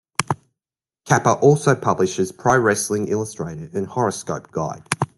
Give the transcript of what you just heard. Kappa also publishes "Pro Wrestling Illustrated" and "Horoscope Guide".